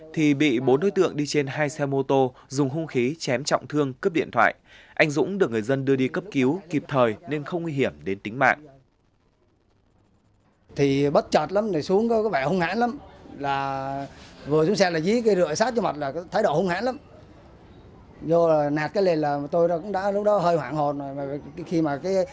thì bị bốn đối tượng đi trên hai xe mô tô dùng hung khí chém trọng thương cướp điện thoại anh dũng được người dân đưa đi cấp cứu kịp thời nên không nguy hiểm